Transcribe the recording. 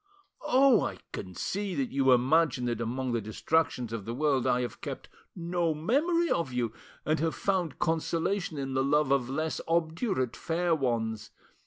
"Oh! I can see that you imagine that among the distractions of the world I have kept no memory of you, and have found consolation in the love of less obdurate fair ones.